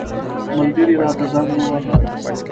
ملګري راته زنګ وواهه.